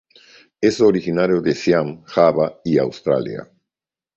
Es originario de Siam, Java y Australia.